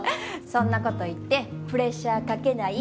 そんなこと言ってプレッシャーかけない！